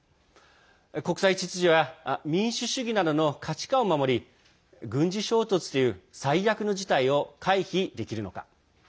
国際秩序や民主主義などの価値観を守り軍事衝突という最悪の事態を回避できるのか。